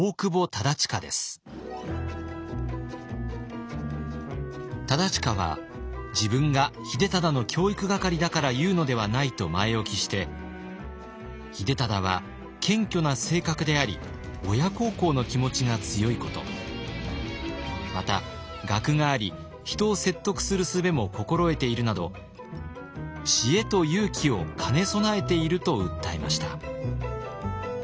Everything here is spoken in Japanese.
忠隣は「自分が秀忠の教育係だから言うのではない」と前置きして秀忠は謙虚な性格であり親孝行の気持ちが強いことまた学があり人を説得するすべも心得ているなど知恵と勇気を兼ね備えていると訴えました。